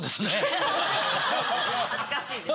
恥ずかしいです。